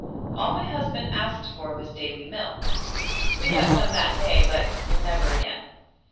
All my husband asked for was daily milk. We got some that day, but never again.